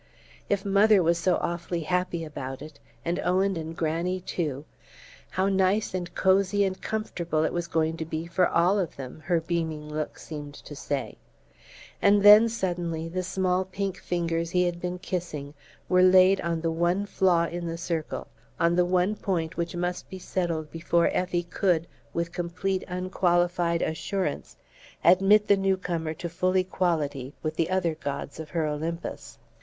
If Mother was so awfully happy about it, and Owen and Granny, too, how nice and cosy and comfortable it was going to be for all of them, her beaming look seemed to say; and then, suddenly, the small pink fingers he had been kissing were laid on the one flaw in the circle, on the one point which must be settled before Effie could, with complete unqualified assurance, admit the new comer to full equality with the other gods of her Olympus.